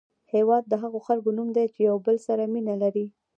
هېواد د هغو خلکو نوم دی چې یو بل سره مینه لري.